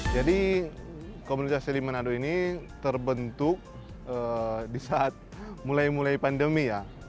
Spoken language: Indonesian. jadi komunitas selimanado ini terbentuk di saat mulai mulai pandemi ya